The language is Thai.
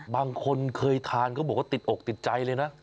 บางคนเคยทานเขาบอกว่าติดอกติดใจเลยนะ